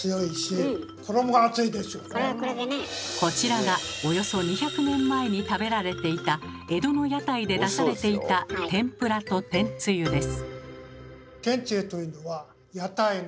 こちらがおよそ２００年前に食べられていた江戸の屋台で出されていた天ぷらと天つゆです。